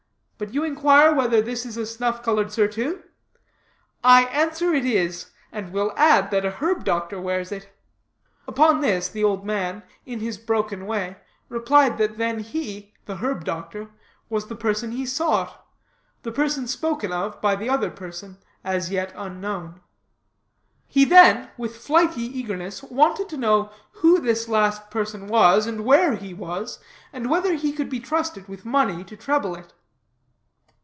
But you inquire whether this is a snuff colored surtout. I answer it is; and will add that a herb doctor wears it." Upon this the old man, in his broken way, replied that then he (the herb doctor) was the person he sought the person spoken of by the other person as yet unknown. He then, with flighty eagerness, wanted to know who this last person was, and where he was, and whether he could be trusted with money to treble it.